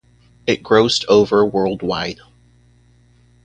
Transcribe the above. It grossed over worldwide.